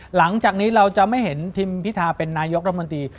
หลังจากนี้เราจะไม่เห็นทิมพิธาเป็นนายกรัฐมนตรี